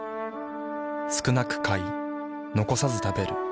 少なく買い残さず食べる。